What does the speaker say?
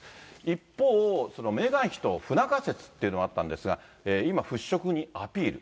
一方、そのメーガン妃と不仲説っていうのがあったんですが、今、払拭にアピール。